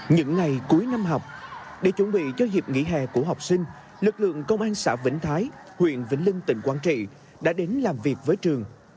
những ngày cuối năm học để chuẩn bị cho hiệp nghỉ hè của học sinh lực lượng công an xã vĩnh thái huyện vĩnh linh tỉnh quảng trị đã đến làm việc với trường